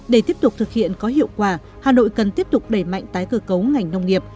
để tiếp tục thực hiện có hiệu quả hà nội cần tiếp tục đẩy mạnh tái cơ cấu ngành nông nghiệp